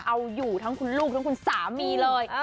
เอาอยู่ทั้งคุณลูกทั้งคุณสามีเลย